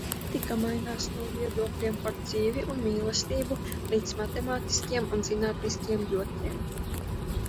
Komiksa tematika mainās no viedokļiem par dzīvi un mīlestību līdz matemātiskiem un zinātniskiem jokiem.